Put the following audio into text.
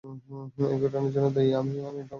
এই ঘটনার জন্য দায়ী আমিই, আমার ড্রাইভার না।